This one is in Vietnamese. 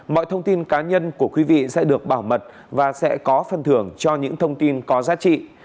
mọi thông tin cá nhân của quý vị sẽ được bảo mật và sẽ có phần thưởng cho những thông tin có giá trị